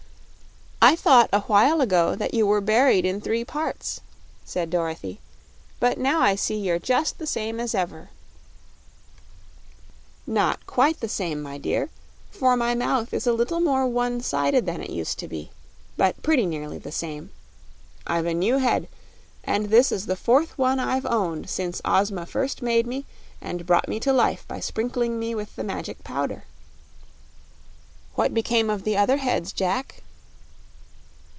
"I thought a while ago that you were buried in three parts," said Dorothy, "but now I see you're just the same as ever." "Not quite the same, my dear, for my mouth is a little more one sided than it used to be; but pretty nearly the same. I've a new head, and this is the fourth one I've owned since Ozma first made me and brought me to life by sprinkling me with the Magic Powder." "What became of the other heads, Jack?"